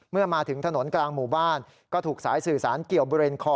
เมื่อมาถึงถนนกลางหมู่บ้านก็ถูกสายสื่อสารเกี่ยวบริเวณคอ